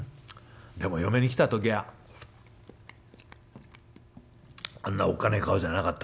でも嫁に来たときゃあんなおっかねえ顔じゃなかったからね。